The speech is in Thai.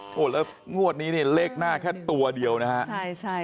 โอ้โหแล้วงวดนี้เนี่ยเลขหน้าแค่ตัวเดียวนะฮะใช่ใช่